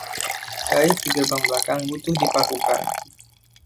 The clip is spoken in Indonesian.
Kait di gerbang belakang butuh dipakukan.